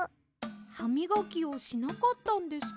ハミガキをしなかったんですか？